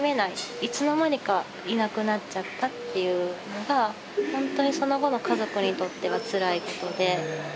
いつの間にかいなくなっちゃったっていうのがほんとにその後の家族にとってはつらいことで。